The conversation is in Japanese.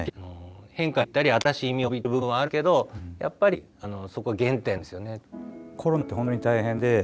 逆に変化していったり新しい意味を帯びてくる部分はあるけどやっぱりそこ原点なんですよね。